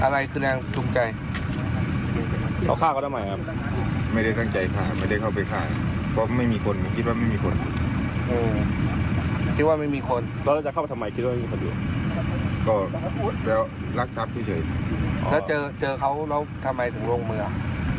แล้วเจอเขาแล้วทำไมถึงโรงเมือง